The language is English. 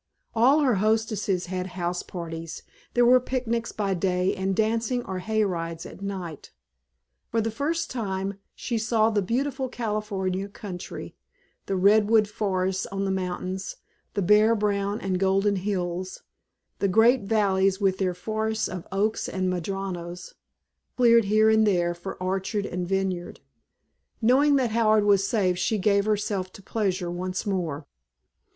All her hostesses had house parties, there were picnics by day and dancing or hay rides at night. For the first time she saw the beautiful California country; the redwood forests on the mountains, the bare brown and golden hills, the great valleys with their forests of oaks and madronas cleared here and there for orchard and vineyard; knowing that Howard was safe she gave herself to pleasure once more.